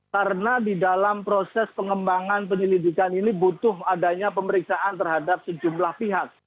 karena di dalam proses pengembangan pendidikan ini butuh adanya pemeriksaan terhadap sejumlah pihak